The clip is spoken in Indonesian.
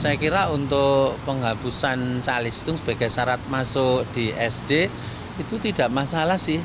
saya kira untuk penghapusan calistung sebagai syarat masuk di sd itu tidak masalah sih